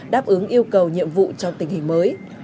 đáp ứng yêu cầu nhiệm vụ trong tình hình mới